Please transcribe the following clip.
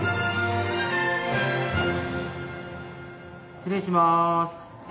失礼します。